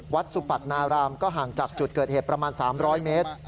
สุปัตนารามก็ห่างจากจุดเกิดเหตุประมาณ๓๐๐เมตร